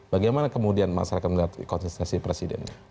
bagaimana kemudian masyarakat melihat konsentrasi presiden